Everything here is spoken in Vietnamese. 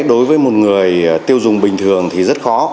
đối với một người tiêu dùng bình thường thì rất khó